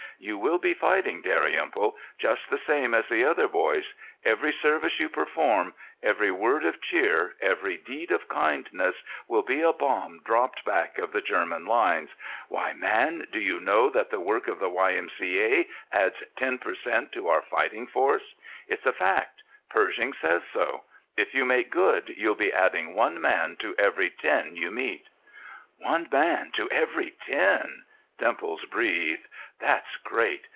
You will be fighting, Dalrymple, just the same as the other boys; every service you perform, every word of cheer, every deed of kindness, will be a bomb dropped back of the German lines. Why, man, do you know that the work of the Y. M. C. A. adds ten per cent. to our fighting force? It's a fact; Pershing says so. If you make good, you'll be adding one man to every ten you meet." "'One man to every ten!'" Dimples breathed. "That's great!